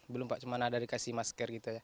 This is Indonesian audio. belum pak cuma ada dikasih masker gitu ya